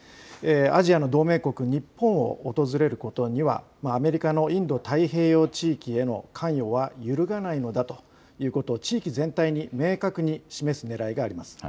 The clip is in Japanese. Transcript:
アジアの同盟国、日本を訪れることにはアメリカのインド太平洋地域への関与は揺るがないのだということを地域全体に明確に示すねらいがあります。